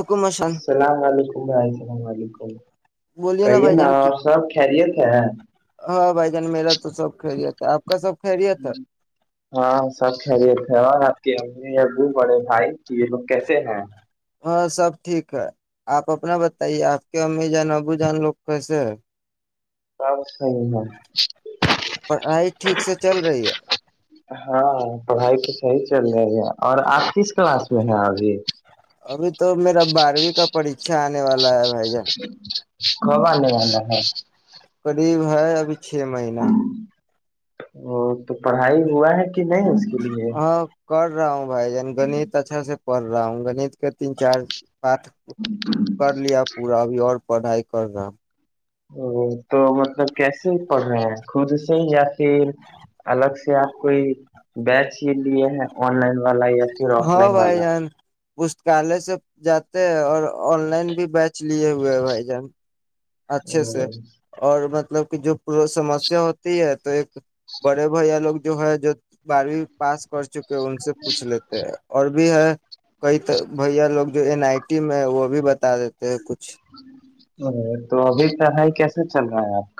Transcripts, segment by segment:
حکمشان السلام علیکم ر السلام علیکم بولیے کہیے بھائی نا جان کی اور سب خیریت ہے ہاں بھائی جان میرا تو سب خیریت ہے آپ کا سب خیریت ہے ہاں سب خیریت ہے اور آپ کی [unintelligible] پڑے بھائی کہ یہ لوگ کیسے ہیں [unintelligible] ہاں سب ٹھیک ہے آپ اپنا بتائیے آپ کے امی جان ابو جان لوگ کیسے ہے [unintelligible] ب صی ہ [unintelligible] پڑھائی ٹھیک سے چل رہی ہے ہاں [unintelligible] پڑھائی تو صحیح چل رہا ہے ج اور آپ کس کلاس میں ہیں ابھی [unintelligible] ابھی تو میرا بارہویں کا پریچھا والا ہے وہ [unintelligible] اچ [unintelligible] کبان نہیں والدا ہے [unintelligible] قریب ہے ابھی چھ مہینہ [unintelligible] ا تو پڑھائی ہوا ہے [unintelligible] کہ نہیں اس کے لیے [unintelligible] ہاں کر رہا ہوں بھائی گنیت اچھا سے پڑھ رہا ہوں گنت کے تین چار [unintelligible] پٹ کر لیا پورا ابھی اور [unintelligible] پڑھائی کر رہا [unintelligible] تو مطلب کیسے پڑھ رہے ہیں خود سے یا پھر الگ سے آپ کوئی بیچ ہی لیے ہیں آن لائن [unintelligible] والا یا پھر آف لائن والا [unintelligible] پستکالے سے جاتے ہیں اور آن لائن بھی بیچ لیے ہوئے ہیں بھائی جان [unintelligible] اچھے سے والا اور م [unintelligible] مطلب کہ جو پور سمسیا ہوتی ہے تو ایک بڑے بھیا لوگ جو ہے جو [unintelligible] بارہویں پاس کر چکے ان سے پوچھ لیتے ہیں اور بھی ہے [unintelligible] کئی بھیا لوگ جو این آئی ٹی میں وہ بھی بتا [unintelligible] [unintelligible] ار [unintelligible] تو ابھی طڑھائی کیسے چل رہا ہے آپ [unintelligible]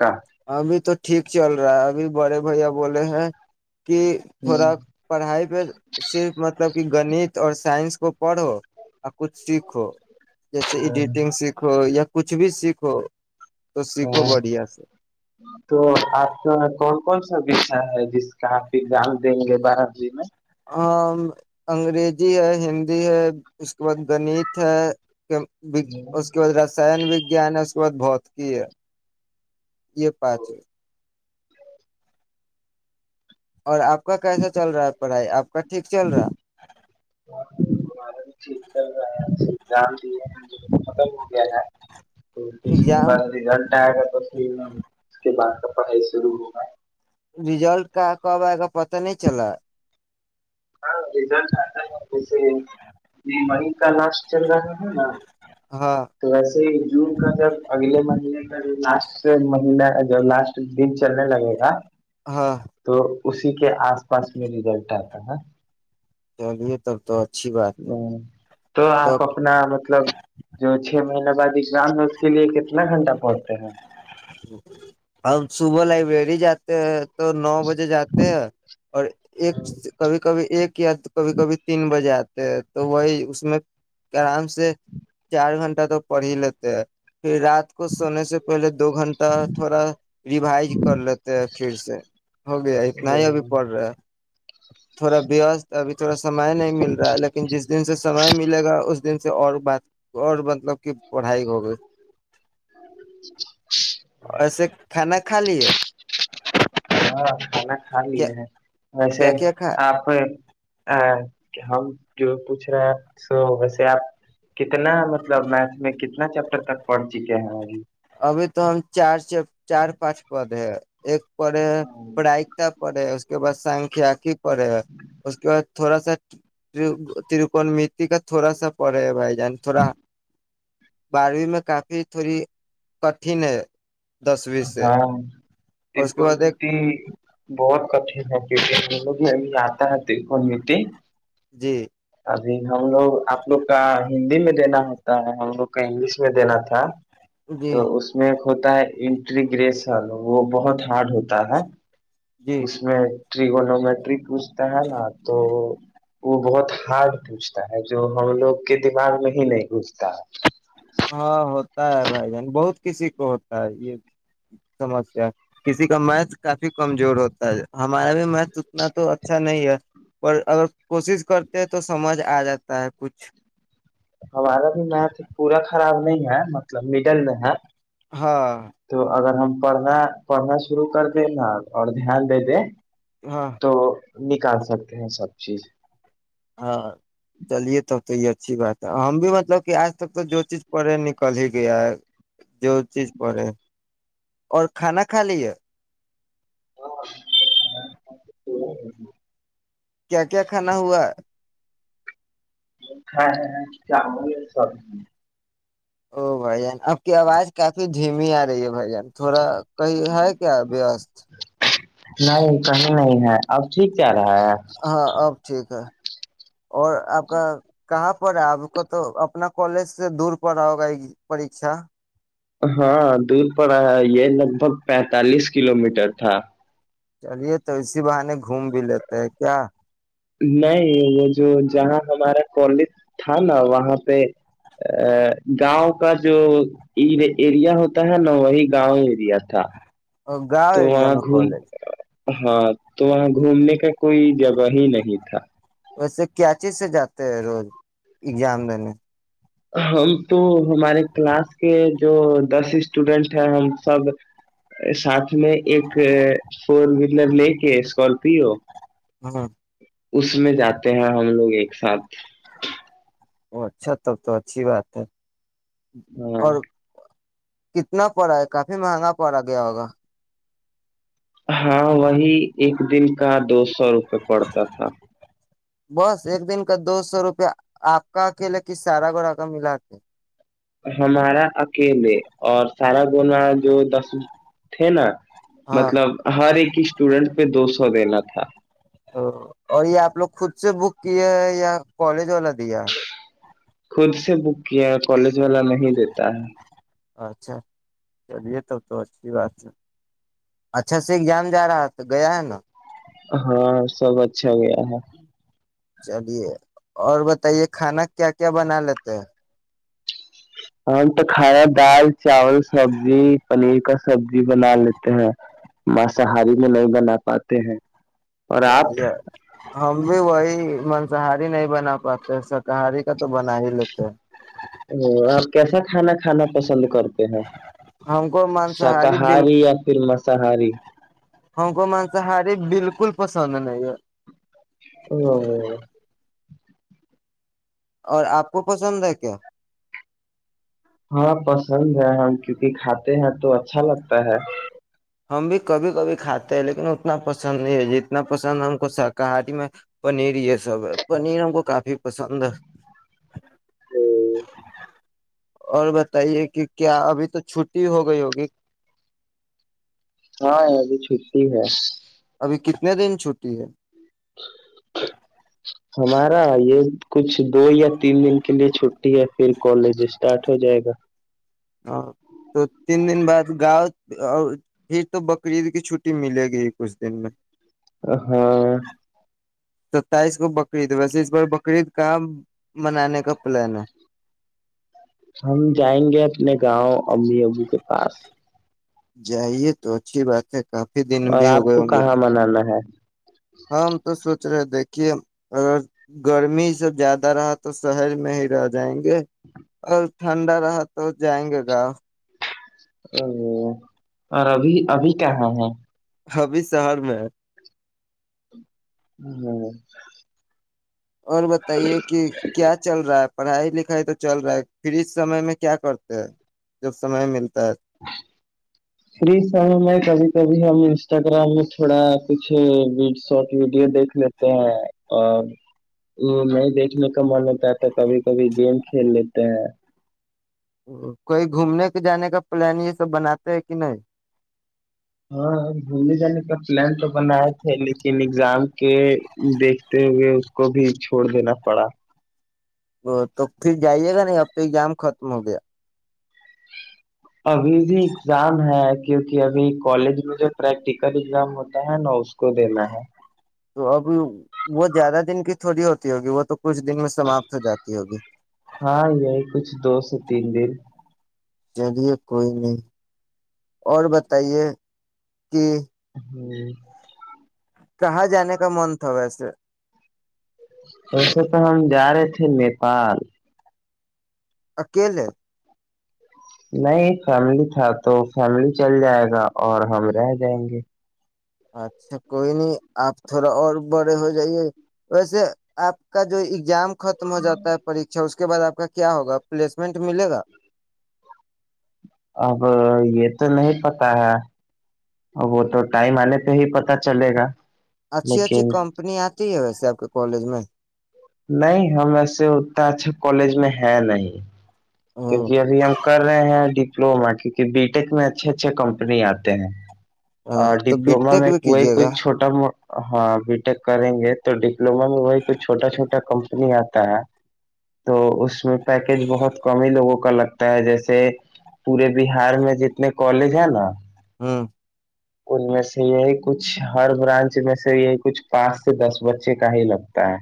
ہمی تو [unintelligible] ٹھیک چل رہا ہے ابھی بڑے بھیا بولے ہیں [unintelligible] کہ تھوڑا پڑھائی پہ صرف مطلب [unintelligible] گنت اور سائنس کو پڑھو اپ [unintelligible] کچھ سیکھو جیسے ایڈیٹنگ سیکھو یا [unintelligible] کچھ بھی سیکھو [unintelligible] تو سیکھو بڑھیا سے [unintelligible] تو آپ کے کون کون سا وشا ہے جس کا آپ ایگزام دیں گے بارہوی میں [unintelligible] ہاں انگریزی ہے ہندی [unintelligible] ہے اس کے بعد [unintelligible] گنیت ہے [unintelligible] اس کے بعد رسائن وگان ہے [unintelligible] ت بہت کی ہے یہ پچ اور آپ کا کیسا چل رہا ہے پڑھائی آپ کا ٹھیک چل رہا [unintelligible] یک رہگزام دی ختم ہو گیا ہے تو کچھ دن ایگزام بعد رزلٹ آئے گا [unintelligible] ب اس کے بار کا پڑھائی ضرع ہونا ہے [unintelligible] ریزلٹ کا کب آئے گا پتہ نہیں چلا [unintelligible] ہاں [unintelligible] رز آتا ہے جیسے [unintelligible] لاٹ چل رہا تھا نا ہاں تو ویسے ہی جون کا جب اگلے مہینے کا لاسٹ مہ [unintelligible] جب لاسٹ دن چلنے لگے گا [unintelligible] ہاں [unintelligible] تو اسی کے آس پاس میں ریزلٹ آتا ہے [unintelligible] چلیے تب تو اچھی بات ہ ہے تو آپ اپنا مطلب جو چ [unintelligible] مہنے بعد ایگزام ہے اس کے لیے کتنا گھنٹہ پڑنتے ہیں [unintelligible] ہم صبح لائبریری جاتے ہیں [unintelligible] تو نو بجے جاتے ہیں اور ایک کبھی کبھی ایک [unintelligible] کیات کبھی کبھی تین بج آت [unintelligible] تو وہی اس میں آرام سے چار گھنٹہ تو پڑ ہی لیتے ہیں پھر رات کو سونے سے [unintelligible] دو گھنٹہ تھوڑا ریوائز کر لیتے ہیں پھر سے ہو گیا اتنا ہی ابھی پڑ رہا ہے [unintelligible] تھوڑا وست ابھی تھوڑا سمے نہیں مل رہا ہے لیکن جس دن سے سمے ملے گا اس [unintelligible] دن سے اور بات اور مطلب [unintelligible] کی پڑھائی ہو گئی ایسے کھان میں خالیے ہاں کھا لیے ہیں ویسے کیا کیا کھا آپ ا ہم جو پوچھ رہے ہیں س ویسے آپ کتنا مطلب میتھ میں کتنا چیپٹر تک پڑھ چکے ہیں ابھی ابھی تو ہم چار سے چار پانچ پد ہے ایک پ بائیا پ کے بس سنکھیا کی پڑے گ اس کے بعد تھوڑا سا ترکن متی کا تھوڑا سا پڑے ہے بھائی [unintelligible] ن تھوڑا بارہویں میں کافی تھوڑی [unintelligible] کٹھن ہے [unintelligible] دسویں سے ہاں د اور اس کے بعد ایک کوتی بہت کٹھن ہے [unintelligible] بی م بھی ہم آتاتے کو م تھے [unintelligible] جی [unintelligible] ابھی ہم لوگ آپ لوگ کا ہندی میں دینا ہوتا ہے ہم لوگ [unintelligible] انگلش میں دینا تھا تو جی اس میں ایک ہوتا ہے ان [unintelligible] گریس والو وہ بہت ہارڈ ہوتا ہے جی [unintelligible] اس میں [unintelligible] تگون میںت پو [unintelligible] ہے نا تو [unintelligible] وہ بہت ہارڈ پوچھتا ہے جو ہم لوگ کے دماغ میں ہی نہیں گستا ہے [unintelligible] ہاں ہوتا ہے بھائی جان بہت کسی کو ہوتا ہے یہ سمسیا کسی کا میتھ کافی کمزور ہوتا ہے ہمارا بھی میتھ اتنا تو اچھا نہیں ہے پر اگر کوشش کرتے ہیں تو سمجھ آ جاتا ہے کچھ [unintelligible] ہمارا بھی میھ پورا خراب نہیں ہے مطلب مڈل میں ہے [unintelligible] ہاں [unintelligible] تو اگر ہم پڑھنا پڑنا شرو کر دے نا اور دھیان دے دے [unintelligible] ہاں تو [unintelligible] نکال سکتے ہیں سب چیز [unintelligible] ہاں چلیے تب تو یہ اچھی بات ہے ہم بھی مطلب کہ آج تک تو جو چیز پڑھے نکل ہی گیا ہے جو چیز پڑھے اور کھانا کھا لی ہے ہو [inaudible] ا [inaudible] کیا کیا کھانا ہوا ہاں ہ کیاامل سبزی او بھ آپ کی آواز کافی جھیمی آ رہی ہے بھائی جار تھوڑا کہئی ہے کیا وست نہیں کہیں نہیں ہے اب ٹھیک ہے رہا ہاں اب ٹھیک ہے اور آپ کا کہاں پڑا ہے آپ کا تو اپنا کالج سے دور پڑا ہوگا ایک پیھا ہاں دور پ آیا یہ لگ بھگ پینتالیس کلو میٹر تھا چلیے تو اسی بہانے گھوم بھی لیتے ہیں کیا نہیں وہ جو جہاں ہمارا کالج تھا نا وہاں پہ ا گاؤں کا جو ایریا ہوتا ہے نا وہی گاؤں ایریا تھا گاؤں تو اییریا وہاں میں گھوم کالج ہاں تو وہاں گھومنے کا کوئی جگہ ہی نہیں تھا ویسے کیچی سے جاتے ہیں روز اگزام دینے ہم تو ہمارے کلاس کے جو دس اسٹوڈنٹ ہیں ہم سب ساتھ میں ایک فور ویلر لے کے اسکارپیو ہاں اس میں جاتے ہیں ہم لوگ ایک ساتھ وہ اچھا تب تو اچھی بات ہے ہاں اور [inaudible] کتنا پڑا ہے کافی مہنگا پڑا گیا ہوگا ہاں وہی ایک دن کا دو سو روپئے پڑتا تھا بس ایک دن کا دو سو روپے آپ کا اکیلا کی سارا گ رقم ملا کے ہمارا اکیلے اور سارا گنا جو دس تھے نا ہاں مطلب ہر ایک اسٹوڈنٹ پہ دوستو س دینا تھا تو اور یہ آپ لوگ خود سے بک کیے ہے یا کالج والا دیا خود سے بک کیا کالج والا نہیں دیتا ہے اچھا چلیے تب تو اچھی بات ہے اچھا سے ایگزام جا رہا تو گیا ہے نا ہاں سب اچھا گیا ہے چلیے اور بتائیے کھانا کیا کیا بنا لیتے ہیں ہم تو کھانا دال چاول سبزی پنیر کا سبزی بنا لیتے ہیں مساہاری میں نہیں بنا پاتے ہیں اور آپ چلی ہم بھی وہی مانساہاری نہیں بنا پاتے شاکاہاری کا تو بنا ہی لیتے ہے ا اور کیسا [inaudible] کھانا کھانا پسند کرتے ہیں ہم کو مانساہاری بالکل شاکاہاری یا پھر مساری کل پس ن [inaudible] اور آپ کو پسند ہے کیا ہاں پسند ہے ہم کیونکہ کھاتے ہیں تو اچھا لگتا ہے ہم بھی کبھی کبھی کھاتے ہیں لیکن اتنا پسند نہیں ہے جتنا پسند ہم کو شاکاہاری میں پنیر یہ سب ہے پنیر ہم کو کافی پسند [inaudible] اور بتائیے کہ کیا ابھی تو چھٹی ہو گئی ہوگی ہاں ابھی چھٹی ہے ابھی کتنے دن چھٹی ہے ہمارا یہ کچھ دو یا تین دن کے لیے چھٹی ہے پھر کالج اسٹارٹ ہو جائے گا ہاں تو تین دن بعد گاؤں اور پھر تو بقرعید کی چھٹی ملے گی کچھ دن میں ہاں ستائیس کو بقرید ویسے اس بار بقرعید کہاں منانے کا پلان ہے ہم جائیں گے اپنے گاؤں امی ابو کے پاس جائیے تو اچھی بات ہے کافی دن اور بھی آپ ہو گئے کو ہوں گے کہاں منانا ہے ہم تو سوچ رہے دیکھیے اگر گرمی سےب زیادہ رہا تو شہر میں ہی رہ جائیں گے اور ٹھنڈا رہا تو جائیں گے گاں او اور ابھی ابھی کہاں ہے حبی شہر میں ہ [unintelligible] اور بتائیے کہ کیا چل رہا ہے پڑھائی لکھائی تو چل رہا ہے پھر اس سمے میں کیا کرتے ہیں جب سمے ملتا ہے فری س میں کبھی کبھی ہم انسٹاگرام میں تھوڑا کچھ شارٹ ویڈیو دیکھ لیتے ہیں اور وہ نہیں دیکھنے کا من ہوتا ہے تو کبھی کبھی گیم کھیل لیتے ہیں کوئی گھومنے کے جانے کا پلان یہ سب بناتے ہے کہ نہیں ہاں گھومنے جانے کا پلان تو بنائے تھے لیکن ایگزام کے دیکھتے ہوئے اس کو بھی چھوڑ دینا پڑا وہ تو پھر جائیے گا نا اب تو ایگزام ختم ہو گیا ابھی بھی ایگزام ہے کیونکہ ابھی کالج میں جو پریکٹیکل ایگزام ہوتا ہے نا اس کو دینا ہے تو اب وہ زیادہ دن کی تھوڑی ہوتی ہوگی وہ تو کچھ دن میں سماپت ہو جاتی ہوگی دوسے تن دین چلیے کوئی نہیں اور بتائیے کہ ہ [unintelligible] کہاں جانے کا من تھا ویسے ویسے تو ہم جا رہے تھے نیپال اکیلے [unintelligible] نہیں فیملی تھا تو فیملی چل جائے گا اور ہم رہ جائیں گے اچھا کوئی نہیں آپ تھوڑا اور بڑے ہو جائیے ویسے آپ کا جو اگزام ختم ہو جاتا ہے پریھا اس کو اس کے بعد آپ کا کیا ہوگا پلیسمنٹ ملے گا اب یہ تو نہیں پتا ہے وہ تو ٹائم آنے پہ ہی پتا چلے گا اچھی اچھی لیکن کمپنی آتی ہے ویسے آپ کالج میں [unintelligible] نہیں ہم ایسے اتنا اچھا کالج میں ہے نہیں ہوں، کیونکہ ابھی ہم کر رہے ہیں ڈپلوما کیونکہ بی ٹیک میں اچھے اچھے کمپنی آتے ہیں ہاں، اور تو بی ڈپلوما ٹیک میں بھی کوئی کیجیے گا کوئی چھوٹا مو ہاں بی ٹیک کریں گے تو ڈپلوما میں وہی کوچئی چھوٹا چھوٹا کمپنی آتا ہے تو اس میں پیکیج بہت کم ہی لوگوں کا لگتا ہے جیسے پورے بہار میں جتنے کالج ہے نا ہاں ان میں سے یہی کچھ ہر برانچ میں سے یہی کچھ پانچ سے دس بچے کا ہی لگتا ہے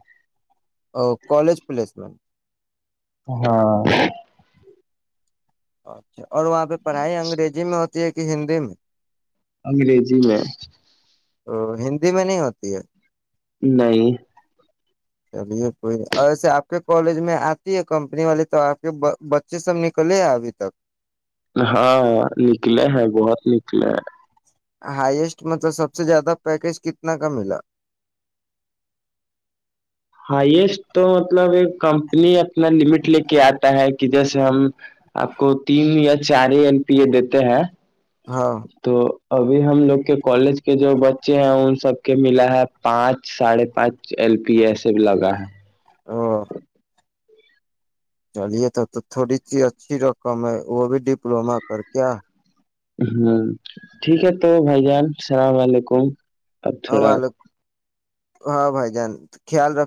ا کالج پلیسمنٹ ہاں اچھا اور وہاں پہ پڑھائی انگریزی میں ہو کہ ہندی میں انگریزی میں ا ہندی میں نہیں ہوتی ہے نہیں [unintelligible] چلیے کوئی ایسے آپ کے کالج میں آتی ہے کمپنی والی تو آپ کے بچے سب نکلے ابھی تک ہاں نکلے ہیں بہت نکل ج [unintelligible] ہائیسٹ مطلب سب سے زیادہ پیکج کتنا کا ملا ہائیسٹ تو مطلب ایک کمپنی اپنا لمٹ لے کے آتا ہے کہ جیسے ہم آپ کو تین یا چار ہی ایم پی ا دیتے ہیں ہاں تو [inaudible] ابھی ہم لوگ کے کالج کے جو بچے ہیں ان سب کے ملا ہے پانچ ساڑھے پانچ ایل پی ایس ای لگا ہے ہاں چلیے تو تو تھوڑی سی اچھی رقم ہے وہ بھی ڈپلوما کر کے ہ ٹھیک ہے تو بھائی جان سالام علیکم اب ہاں تھوڑا والو ہاں بھائی جان خیال رکھ